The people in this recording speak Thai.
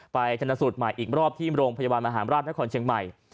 ชนสูตรใหม่อีกรอบที่โรงพยาบาลมหาราชนครเชียงใหม่